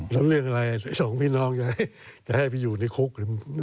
แล้วเรื่องอะไรสองพี่น้องจะให้ไปอยู่ในคุก